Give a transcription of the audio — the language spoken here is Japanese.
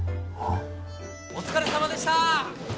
お疲れさまでした！